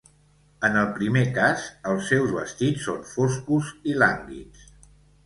En el primer cas, els seus vestits són foscos i lànguids.